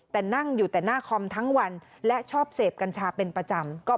แต่นั่งอยู่แต่หน้าคอมทั้งวันและชอบเสพกัญชาเป็นประจำ